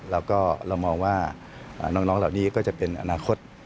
แล้วก็เรามองว่าน้องเหล่านี้ก็จะเป็นอนาคต